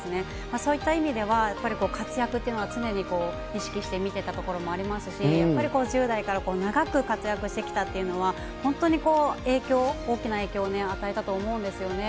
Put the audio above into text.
そういった意味では、やっぱり活躍っていうのは常に意識して見てたところもありますし、やっぱり１０代から長く活躍してきたというのは、本当に影響、大きな影響を与えたと思うんですよね。